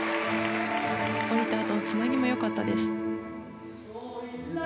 降りたあとのつなぎも良かったです。